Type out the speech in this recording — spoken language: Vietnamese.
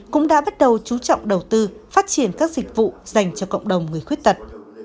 cũng đã bắt đầu chú trọng đầu tư phát triển các dịch vụ dành cho cộng đồng người khuyết tật